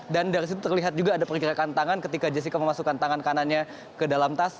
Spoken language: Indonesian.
dan dari situ terlihat juga ada pergerakan tangan ketika jessica memasukkan tangan kanannya ke dalam tas